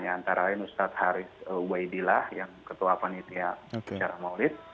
antara lain ustadz haris waidillah yang ketua panitia secara maulid